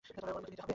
অনুমতি নিতে হবে?